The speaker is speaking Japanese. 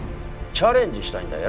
チャレンジしたいんだ。